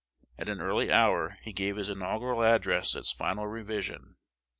At an early hour he gave his inaugural address its final revision.